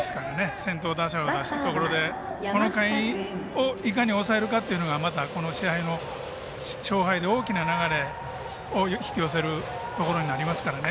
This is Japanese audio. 先頭打者を出したところでこの回をいかに抑えるかというところがまたこの試合の勝敗の大きな流れを引き寄せるところになりますからね。